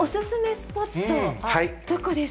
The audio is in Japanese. スポットは、どこですか？